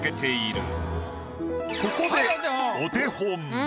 ここでお手本。